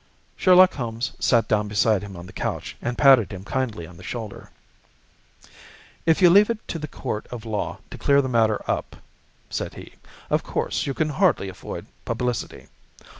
Sherlock Holmes sat down beside him on the couch and patted him kindly on the shoulder. "If you leave it to a court of law to clear the matter up," said he, "of course you can hardly avoid publicity.